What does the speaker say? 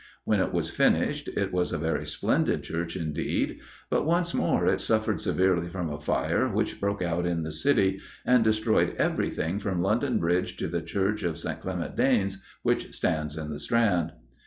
When it was finished, it was a very splendid church indeed; but once more it suffered severely from a fire which broke out in the City, and destroyed everything from London Bridge to the Church of St. Clement Danes, which stands in the Strand.